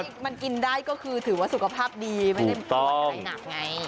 ถึงได้ก็คือถือว่าสุขภาพดีไม่ได้เกิดอะไรหนักไง